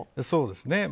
そうですね。